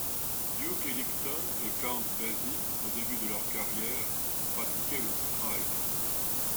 Duke Ellington et Count Basie, au début de leur carrière, pratiquaient le stride.